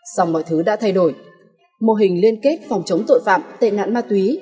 dòng mọi thứ đã thay đổi mô hình liên kết phòng chống tội phạm tệ nạn ma túy